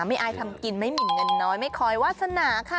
อายทำกินไม่หมินเงินน้อยไม่คอยวาสนาค่ะ